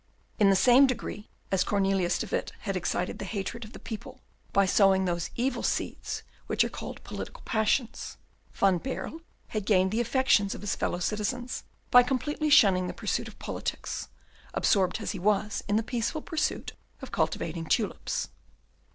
In the same degree as Cornelius de Witt had excited the hatred of the people by sowing those evil seeds which are called political passions, Van Baerle had gained the affections of his fellow citizens by completely shunning the pursuit of politics, absorbed as he was in the peaceful pursuit of cultivating tulips.